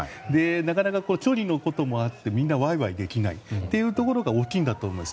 なかなか、距離のこともあってワイワイできないということも大きいんだと思います。